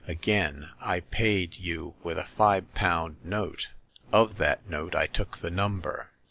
Again, I paid you with a five pound note. Of that note I took the number.